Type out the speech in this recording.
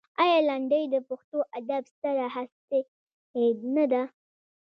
آیا لنډۍ د پښتو ادب ستره هستي نه ده؟